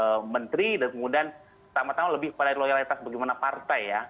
pertimbangan politik ini adalah kemudian kinerja kinerja yang lebih loyalisasi ke partai